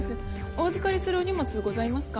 お預かりするお荷物ございますか？